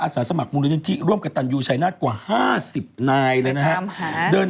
ฟาร์มยังมีระบบปิดแต่ชาวบ้านที่เลี้ยงเอง